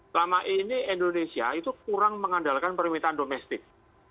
selama ini indonesia itu kurang mengandalkan permintaan domestik